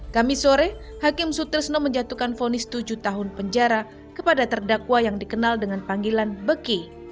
kami sore hakim sutrisno menjatuhkan fonis tujuh tahun penjara kepada terdakwa yang dikenal dengan panggilan beki